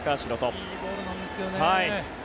いいボールなんですけどね。